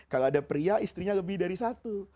kalau ada pria istrinya lebih dari satu